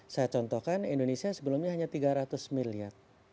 saya contohkan indonesia sebelumnya hanya tiga ratus miliar